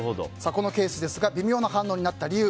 このケース微妙な反応になった理由